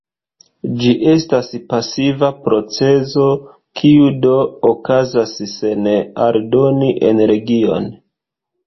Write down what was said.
Ĝi estas pasiva procezo, kiu do okazas sen aldoni energion.